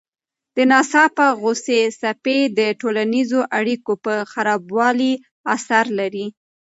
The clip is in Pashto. د ناڅاپه غوسې څپې د ټولنیزو اړیکو په خرابوالي اثر لري.